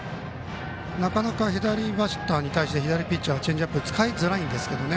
なかなか左バッターに対して左ピッチャーはチェンジアップを使いづらいんですけどね。